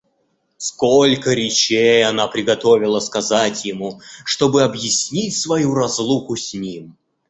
Сколько речей она приготовила сказать ему, чтобы объяснить свою разлуку с ним!